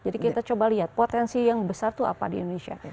jadi kita coba lihat potensi yang besar itu apa di indonesia